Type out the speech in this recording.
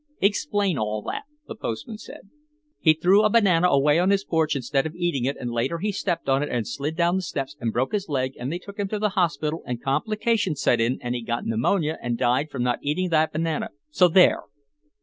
"Explain all that," the postman said. "He threw a banana away on his porch instead of eating it and later he stepped on it and slid down the steps and broke his leg and they took him to the hospital and compilations set in and he got pneumonia and died from not eating that banana. So there!"